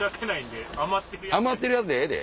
余ってるやつでええで。